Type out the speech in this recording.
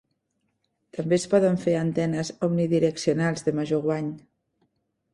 També es poden fer antenes omnidireccionals de major guany.